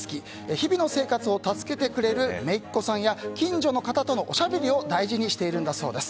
日々の生活を助けてくれるめいっ子さんや近所の方とのおしゃべりを大事にしてるんだそうです。